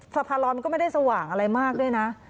สะพานลอยมันก็ไม่ได้สว่างอะไรมากด้วยนะ